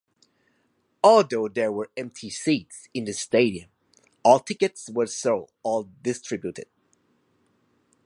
Although there were empty seats in the stadium, all tickets were sold or distributed.